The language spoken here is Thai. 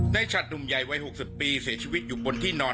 ฉัดหนุ่มใหญ่วัย๖๐ปีเสียชีวิตอยู่บนที่นอน